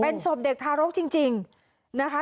เป็นศพเด็กทารกจริงจริงนะคะ